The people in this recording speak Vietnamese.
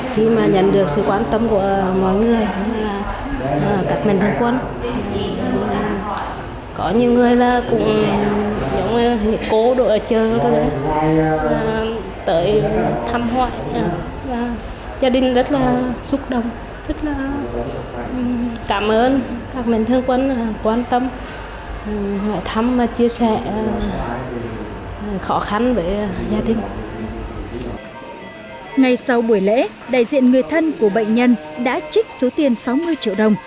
tại buổi lễ đại diện người thân của bệnh nhân đã trích số tiền sáu mươi triệu đồng